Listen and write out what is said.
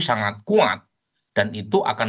sangat kuat dan itu akan